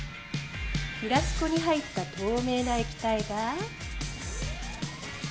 フラスコに入った透明な液体が。